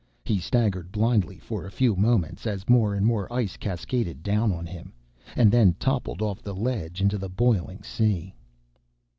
He staggered blindly for a few moments, as more and more ice cascaded down on him, and then toppled off the ledge into the boiling sea.